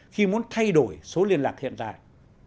khi muốn thay đổi số liên lạc hiện tại